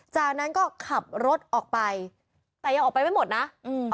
จากนั้นก็ขับรถออกไปแต่ยังออกไปไม่หมดนะอืม